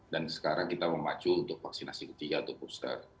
dan sekarang kita memacu untuk vaksinasi ketiga atau booster